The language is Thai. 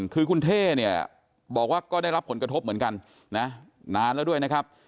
คือคุณเท่เนี่ยบอกว่าก็ได้รับผลกระทบเหมือนกันนะนานแล้วด้วยนะครับ